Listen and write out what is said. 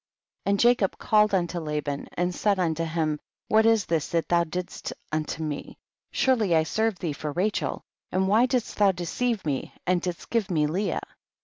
And Jacob called unto Laban^ and said unto him, what is this that thou didst unto me ? Surely I served thee for Rachel, and why didst thou deceive me and didst give me Leah